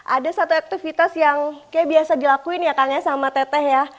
ada satu aktivitas yang kayaknya biasa dilakuin ya kakaknya sama teteh ya